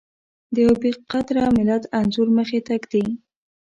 د يوه بې قدره ملت انځور مخې ته ږدي.